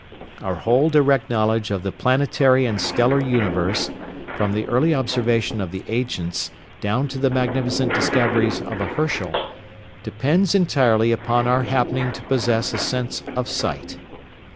Our whole direct knowledge of the planetary and stellar universe, from the early observations of the ancients down to the magnificent discoveries of a Herschel, depends entirely upon our happening to possess a sense of sight.